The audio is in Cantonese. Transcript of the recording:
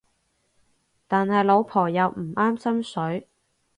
但係老婆又唔啱心水